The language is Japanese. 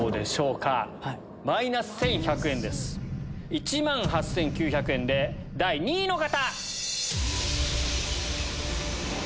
１万８９００円で第２位の方！